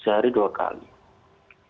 sehari dua kali